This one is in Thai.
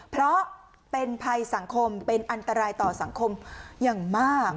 เพราะเป็นภัยสังคมเป็นอันตรายต่อสังคมอย่างมาก